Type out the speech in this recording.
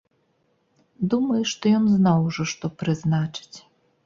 Думаю, што ён знаў ужо, што прызначаць.